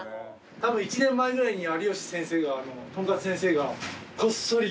たぶん１年前ぐらいに有吉先生が豚かつ先生がこっそり。